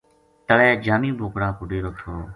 تلے جامی بوکڑا کو ڈیرو تھو